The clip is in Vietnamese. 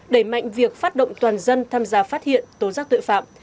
đẩy mạnh việc phát động toàn dân tham gia phát hiện tố giác tội phạm